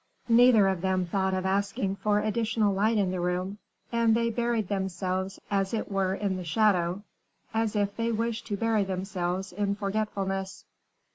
Neither of them thought of asking for additional light in the room, and they buried themselves as it were in the shadow, as if they wished to bury themselves in forgetfulness.